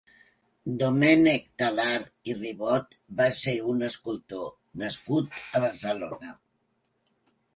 Domènec Talarn i Ribot va ser un escultor nascut a Barcelona.